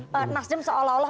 bang rivki nasjid seolah olah